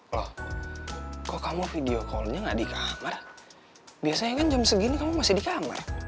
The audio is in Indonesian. loh kok kamu video callnya nggak di kamar biasanya kan jam segini kamu masih di kamar